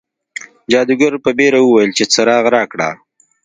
جادوګر په بیړه وویل چې څراغ راکړه.